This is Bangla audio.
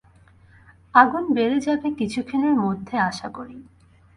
আগুন বেড়ে যাবে কিছুক্ষণের মধ্যে আশাকরি।